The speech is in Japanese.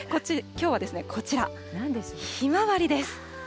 きょうはこちら、ひまわりです。